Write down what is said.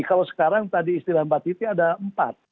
kalau sekarang tadi istilah empat titik ada empat